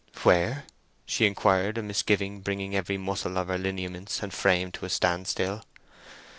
"Where?" she inquired, a misgiving bringing every muscle of her lineaments and frame to a standstill.